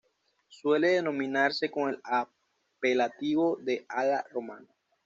Suele denominarse con el apelativo de "alla Romana".